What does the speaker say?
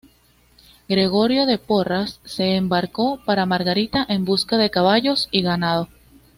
Gregorio de Porras se embarcó para Margarita en busca de caballos y ganado.